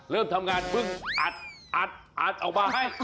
เริ่มทำงานเพิ่งอัดอัดออกมาให้